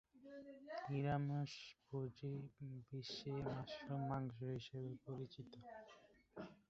নিরামিষভোজী বিশ্বে মাশরুম মাংস হিসেবে পরিচিত।